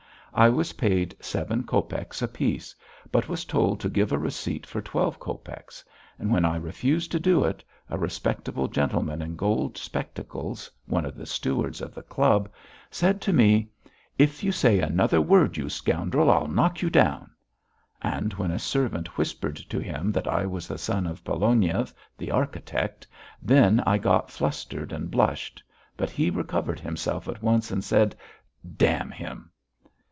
I was paid seven copecks a piece, but was told to give a receipt for twelve copecks, and when I refused to do it, a respectable gentleman in gold spectacles, one of the stewards of the club, said to me: "If you say another word, you scoundrel, I'll knock you down." And when a servant whispered to him that I was the son of Pologniev, the architect, then I got flustered and blushed, but he recovered himself at once and said: "Damn him."